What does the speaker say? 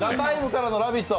「ＴＨＥＴＩＭＥ，」からの「ラヴィット！」